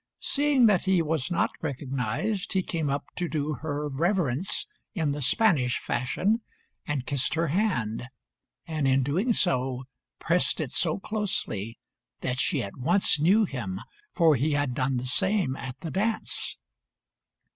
Seeing that he was not recognised, he came up to do her reverence in the Spanish fashion and kissed her hand, and, in doing so, pressed it so closely that she at once knew him, for he had often done the same at the dance.